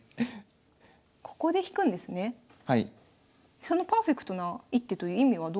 そのパーフェクトな一手という意味はどういう意味なんでしょう？